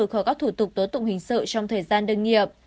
khỏi các thủ tục tố tụng hình sự trong thời gian đơn nghiệp